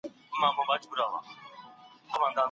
مور باید د لور مزاج هېر نه کړي.